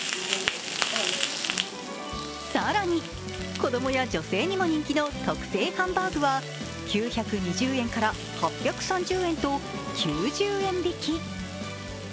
更に子供や女性にも人気の特製ハンバーグは９２０円から８３０円と９０円引き。